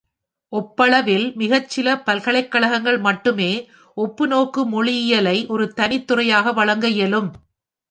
ஒப்பளவில் மிகச்சில பல்கலைக்கழகங்கள் மட்டுமே ஒப்புநோக்கு மொழியியலை ஒரு தனித் துறையாக வழங்க இயலும்.